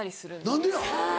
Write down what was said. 何でや？